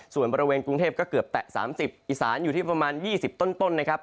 ส่วนบริเวณกรุงเทพก็เกือบแตะ๓๐อีสานอยู่ที่ประมาณ๒๐ต้นนะครับ